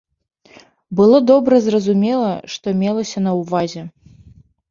Было добра зразумела, што мелася на ўвазе!